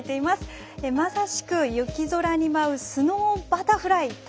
まさしく雪空に舞うスノーバタフライ。